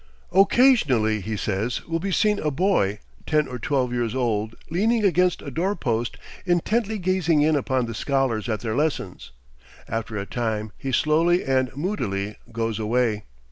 "Occasionally," he says, "will be seen a boy, ten or twelve years old, leaning against a door post intently gazing in upon the scholars at their lessons; after a time he slowly and moodily goes away.